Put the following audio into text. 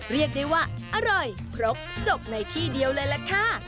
เรียกได้ว่าอร่อยครบจบในที่เดียวเลยล่ะค่ะ